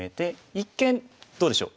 一見どうでしょう？